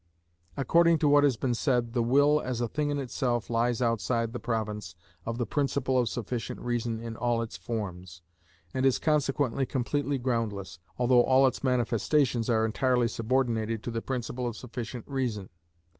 According to what has been said, the will as a thing in itself lies outside the province of the principle of sufficient reason in all its forms, and is consequently completely groundless, although all its manifestations are entirely subordinated to the principle of sufficient reason.